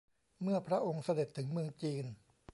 เมื่อพระองค์เสด็จถึงเมืองจีน